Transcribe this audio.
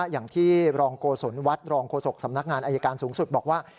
อย่างที่รองโกศลวัดรองโฆษกสำนักงานอายการสูงสุดบอกว่า